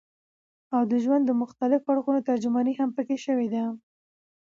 او د ژوند د مختلفو اړخونو ترجماني هم پکښې شوې ده